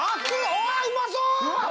おわっうまそう！